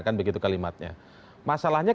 kan begitu kalimatnya masalahnya